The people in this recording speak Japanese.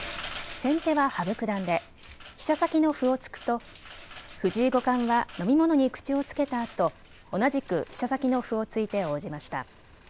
先手は羽生九段で飛車先の歩を突くと藤井五冠は飲み物に口をつけたあと同じく飛車先の歩を突いて応じました。